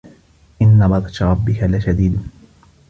إِنَّ بَطشَ رَبِّكَ لَشَديدٌ